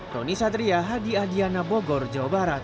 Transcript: roni satria hadi adiana bogor jawa barat